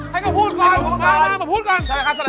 ให้เขาพูดก่อน